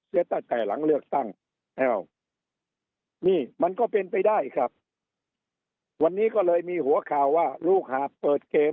เสียตั้งแต่หลังเลือกตั้งอ้าวนี่มันก็เป็นไปได้ครับวันนี้ก็เลยมีหัวข่าวว่าลูกหาบเปิดเกม